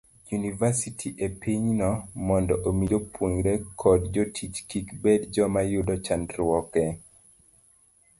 yunivasiti e pinyno, mondo omi jopuonjre kod jotich kik bed joma yudo chandruok e